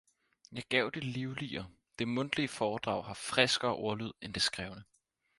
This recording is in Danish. jeg gav det livligere, det mundtlige foredrag har friskere ordlyd end det skrevne.